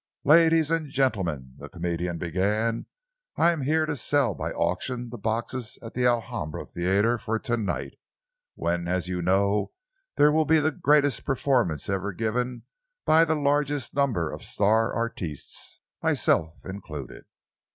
"Ladies and gentlemen," the comedian began, "I am here to sell by auction the boxes at the Alhambra Theatre for to night, when, as you know, there will be the greatest performance ever given by the largest number of star artistes myself included.